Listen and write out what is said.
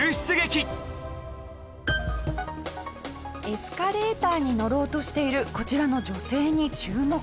エスカレーターに乗ろうとしているこちらの女性に注目。